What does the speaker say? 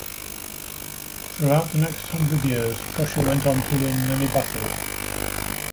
Throughout the next hundred years Prussia went on to win many battles.